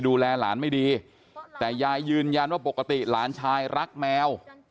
ดูแลหลานไม่ดีแต่ยายยืนยันว่าปกติหลานชายรักแมว